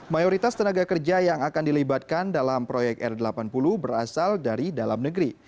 mayoritas tenaga kerja yang akan dilibatkan dalam proyek r delapan puluh berasal dari dalam negeri